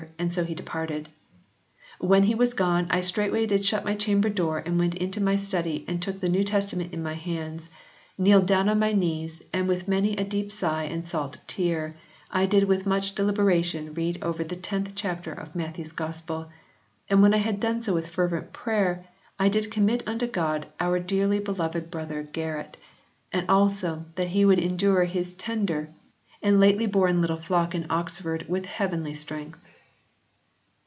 and so he departed. When he was gone I straightway did shut my chamber door and went into my study and took the New Testament in my hands, kneeled down on my knees and with many a deep sigh and salt tear, I did with much deliberation read over the tenth chapter of Matthew s Gospel, and when I had so done with fervent prayer I did com mit unto God our dearly beloved brother Garret, and also that he would endue his tender and lately born 46 HISTORY OF THE ENGLISH BIBLE [CH. little flock in Oxford with heavenly strength."